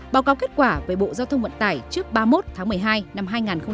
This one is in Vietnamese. báo cáo kết quả về bộ giao thông vận tải trước ba mươi một tháng một mươi hai năm hai nghìn hai mươi